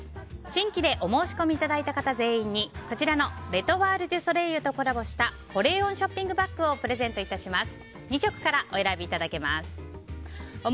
新規でお申し込みいただいた方全員に、こちらのレ・トワール・デュ・ソレイユとコラボした保冷温ショッピングバッグをプレゼント致します。